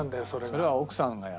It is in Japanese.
それは奥さんがやる。